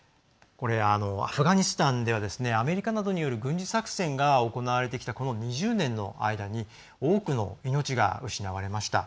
アフガニスタンではアメリカなどによる軍事作戦が行われてきたこの２０年の間に多くの命が失われました。